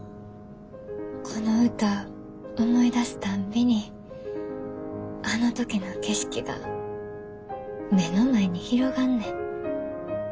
この歌思い出すたんびにあの時の景色が目の前に広がんねん。